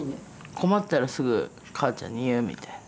困ったらすぐ母ちゃんに言うみたいな。